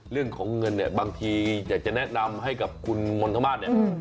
เรื่องของเงินเนี่ยบางทีอยากจะแนะนำให้กับคุณมณฑมาสเนี่ย